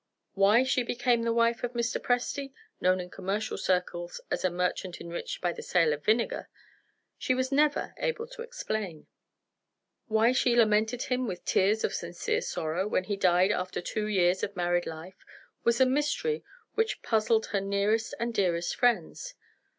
Why she became the wife of Mr. Presty (known in commercial circles as a merchant enriched by the sale of vinegar) she was never able to explain. Why she lamented him, with tears of sincere sorrow, when he died after two years of married life, was a mystery which puzzled her nearest and dearest friends.